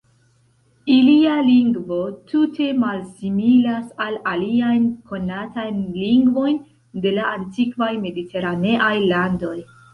Ilia lingvo tute malsimilas la aliajn konatajn lingvojn de la antikvaj mediteraneaj landoj.